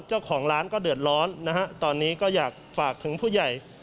เจ้าของร้านก็เดือดร้อนนะฮะตอนนี้ก็อยากฝากถึงผู้ใหญ่